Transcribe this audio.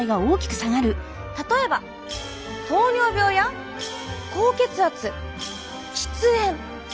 例えば糖尿病や高血圧喫煙そして肥満。